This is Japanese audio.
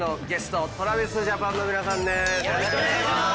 よろしくお願いします！